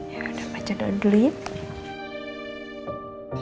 ya udah baca doang dulu ya